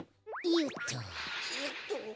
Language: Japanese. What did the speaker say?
よっと。